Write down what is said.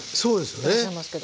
いらっしゃいますけど。